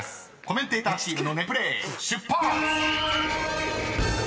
コメンテーターチームのネプレール出発！］